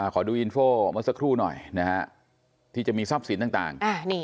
ขอดูอินโฟเมื่อสักครู่หน่อยนะฮะที่จะมีทรัพย์สินต่าง